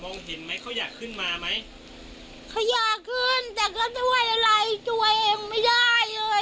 มองเห็นมั้ยเขาอยากขึ้นมาไหมเขาอยากขึ้นแต่เขาโทร่อะไรตัวเองไม่ได้เลย